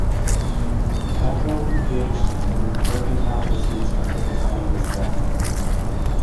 Hathorn engaged in mercantile pursuits until the time of his death.